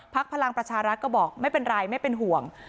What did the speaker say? พลังประชารัฐก็บอกไม่เป็นไรไม่เป็นห่วง